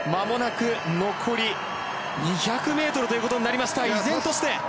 まもなく残り２００ｍということになりました。